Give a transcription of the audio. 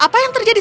apa yang terjadi